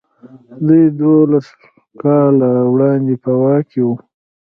دوی دولس کاله وړاندې په واک کې وو.